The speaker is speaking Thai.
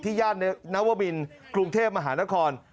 ย่านนวมินกรุงเทพมหานคร